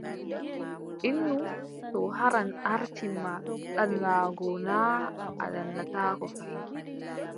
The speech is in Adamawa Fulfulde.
Innu to haran aarti ma ɗaanaago, naa a ɗaanataako fahin.